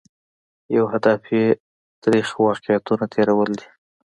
یو هدف یې ترخ واقعیتونه تېرول دي.